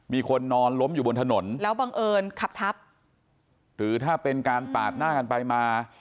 มีคนนอนล้มอยู่บนถนนแล้วบังเอิญขับทับหรือถ้าเป็นการปาดหน้ากันไปมา